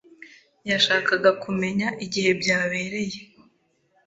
yashakaga kumenya igihe byabereye.